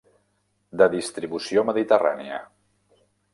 De distribució mediterrània.